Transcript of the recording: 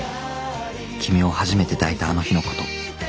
君を初めて抱いたあの日のこと。